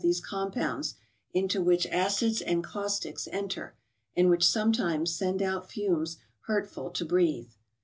these compounds, into which acids and caustics enter, and which sometimes send out fumes hurtful to breathe.